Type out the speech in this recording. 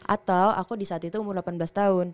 atau aku di saat itu umur delapan belas tahun